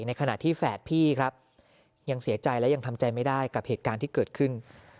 ในขณะที่แฝดพี่ครับยังเสียใจและยังทำใจไม่ได้กับเหตุการณ์ที่เกิดขึ้น